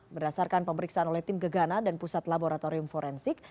berdasarkan pemeriksaan oleh tim gegana dan pusat laboratorium forensik